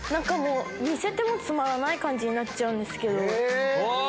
見せてもつまらない感じになっちゃうんですけど。